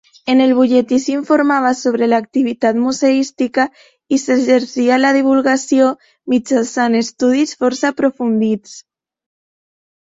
En el butlletí s'informava sobre l'activitat museística i s'exercia la divulgació mitjançant estudis força aprofundits.